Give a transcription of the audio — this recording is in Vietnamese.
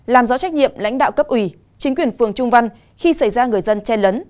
làm rõ trách nhiệm lãnh đạo cấp ủy chính quyền phường trung văn khi xảy ra người dân chen lấn